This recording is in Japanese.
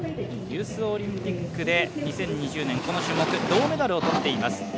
ユースオリンピックで２０２０年、この種目、銅メダルを取っています。